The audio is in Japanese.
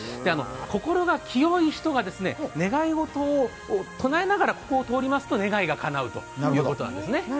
心が清い人が願い事を唱えながらここを通りますと願いがかなうということなんですね。